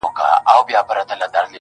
• د ژوند په څو لارو كي.